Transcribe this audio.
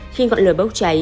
khi ngọn lửa bốc cháy